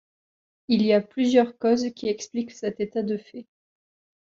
Il y a plusieurs causes qui expliquent cet état de fait.